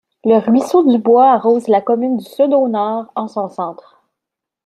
Le ruisseau du Bois arrose la commune du sud au nord en son centre.